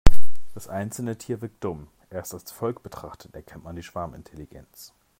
Das einzelne Tier wirkt dumm, erst als Volk betrachtet erkennt man die Schwarmintelligenz.